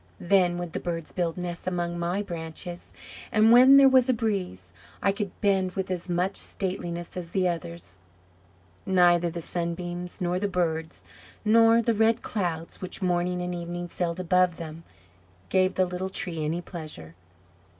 Then would the birds build nests among my branches; and when there was a breeze, I could bend with as much stateliness as the others!" Neither the sunbeams, nor the birds, nor the red clouds, which morning and evening sailed above them, gave the little Tree any pleasure.